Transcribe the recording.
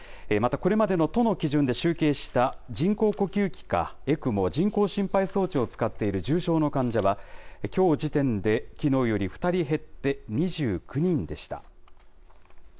また、これまでの都の基準で集計した人工呼吸器かＥＣＭＯ・人工心肺装置を使っている重症の患者は、きょう時点で、きのうより２人減って２９人でした。